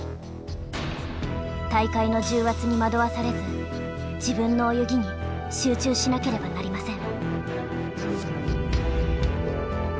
大会の重圧に惑わされず自分の泳ぎに集中しなければなりません。